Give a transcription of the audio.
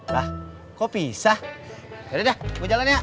ah kok pisah yaudah deh gue jalan ya